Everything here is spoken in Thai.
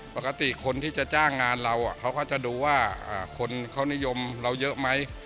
ปกติคนที่จะจ้างงานเราเขาก็จะดูว่าคนเขานิยมเราเยอะไหม